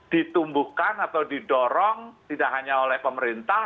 ditumbuhkan atau didorong tidak hanya oleh pemerintah